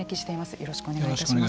よろしくお願いします。